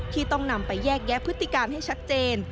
ที่ต้องนำไปแยกแยะพฤติการให้ชัดเจน